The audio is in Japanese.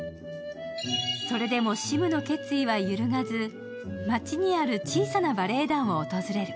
それでもシムの決意は揺るがず、街にある小さなバレエ団を訪れる。